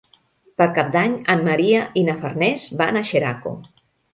Per Cap d'Any en Maria i na Farners van a Xeraco.